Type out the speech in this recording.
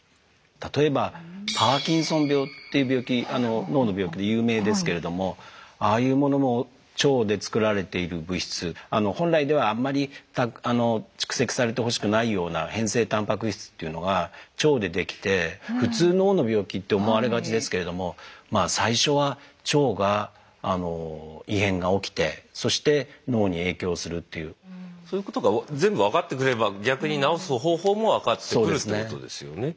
例えばパーキンソン病っていう病気脳の病気で有名ですけれどもああいうものも腸でつくられている物質本来ではあんまり蓄積されてほしくないような変性たんぱく質っていうのが腸でできて普通脳の病気って思われがちですけれどもまあ最初はそういうことが全部分かってくれば逆に治す方法も分かってくるっていうことですよね。